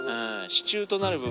支柱となる部分。